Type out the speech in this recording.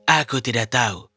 aku tidak tahu